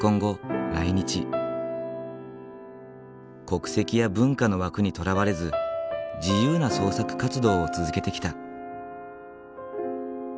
国籍や文化の枠にとらわれず自由な創作活動を続けてきた。